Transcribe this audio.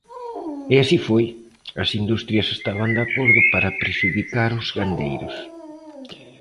E así foi, as industrias estaban de acordo para prexudicar os gandeiros.